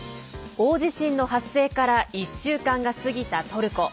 大地震の発生から１週間が過ぎたトルコ。